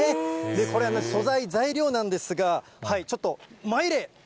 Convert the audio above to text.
これ、素材、材料なんですが、ちょっと参れ。